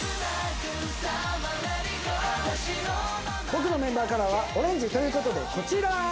僕のメンバーカラーはオレンジという事でこちら！